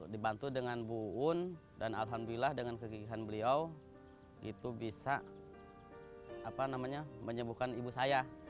dibantu dengan bu un dan alhamdulillah dengan kegigihan beliau itu bisa menyebuhkan ibu saya